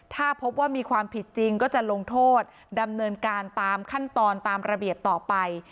ถ้าพบว่ามีความผิดจริงก็จะลงโทษดำเนินการตามขั้นตอนตามระเบียบต่อไป